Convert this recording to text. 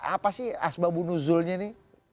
apa sih asbab unuzulnya ini